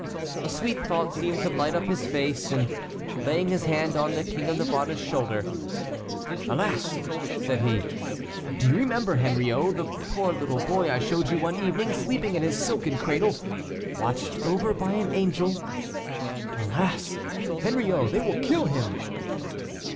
A sweet thought seemed to light up his face, and, laying his hand on the King of Navarre's shoulder: "Alas!" said he, "do you remember, Henriot, the poor little boy I showed you one evening sleeping in his silken cradle, watched over by an angel? Alas! Henriot, they will kill him!"